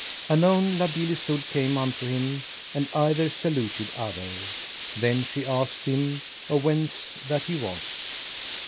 Anon La Beale Isoud came unto him, and either saluted other; then she asked him of whence that he was.